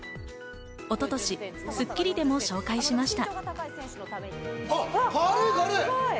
一昨年、『スッキリ』でも紹介しました。